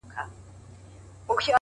o يوه د ميني زنده گي راوړي،